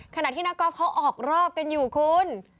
ขณะที่นักก๊อฟเขาออกรอบกันอยู่คุณ